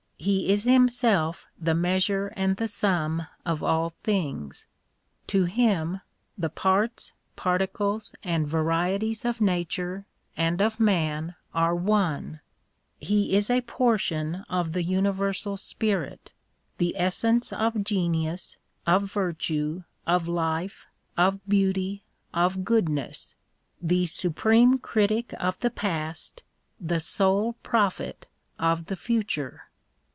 He is himself the measure and the sum of all things. To him the parts, particles, and varieties of Nature and of man are One: he is a portion of the Universal Spirit : the essence of genius, of virtue, of life, of beauty, of goodness: the supreme critic of the past, the sole prophet of the future.